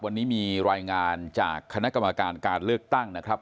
วันนี้มีรายงานจากคณะกรรมการการเลือกตั้งนะครับ